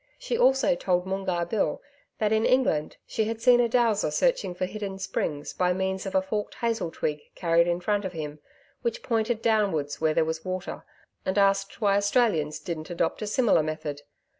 She also told Moongarr Bill that in England she had seen a dowser searching for hidden springs by means of a forked hazel twig carried in front of him which pointed downwards where there was water and asked why Australians didn't adopt a similar method.